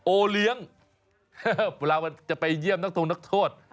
โอเลี้ยงเวลามันจะไปเยี่ยมนักทงนักโทษ